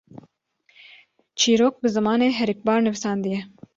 çîrok bi zimanê herikbar nivîsandiye